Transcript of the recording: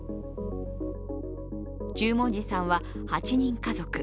十文字さんは８人家族。